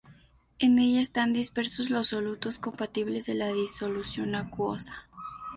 En ella están dispersos los solutos compatibles de la Disolución acuosa.